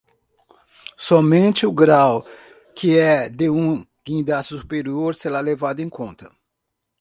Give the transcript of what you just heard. Somente o grau que é de um guindaste superior será levado em conta.